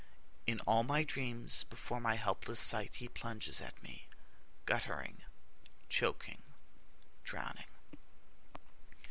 In all my dreams before my helpless sight He plunges at me, guttering, choking, drowning.